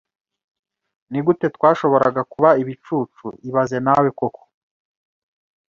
Nigute twashoboraga kuba ibicucu ibaze nawe koko